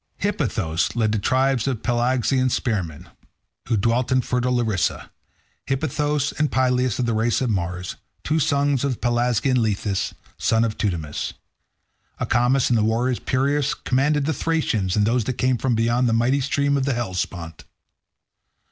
Hippothous led the tribes of Pelasgian spearsmen, who dwelt in fertile Larissa—Hippothous, and Pylaeus of the race of Mars, two sons of the Pelasgian Lethus, son of Teutamus. Acamas and the warrior Peirous commanded the Thracians and those that came from beyond the mighty stream of the Hellespont.